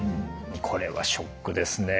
これはショックですね。